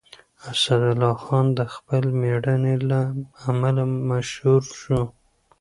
اسدالله خان د خپل مېړانې له امله مشهور شو.